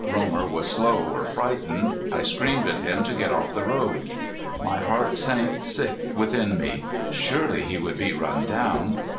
Romer was slow or frightened. I screamed at him to get off the road. My heart sank sick within me! Surely he would be run down.